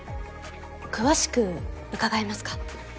詳しく伺えますか？